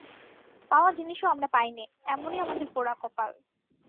পাওয়া জিনিসও আমরা পাই নে এমনি আমাদের পোড়া কপাল।